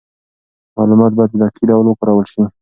معلومات باید په دقیق ډول وکارول سي.